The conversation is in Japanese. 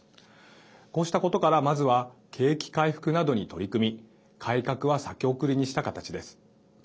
こうしたことからまずは景気回復などに取り組み改革は先送りにした形です。